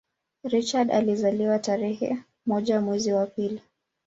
Richard alizaliwa tarehe moja mwezi wa pili